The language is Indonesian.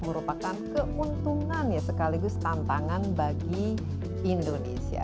merupakan keuntungan ya sekaligus tantangan bagi indonesia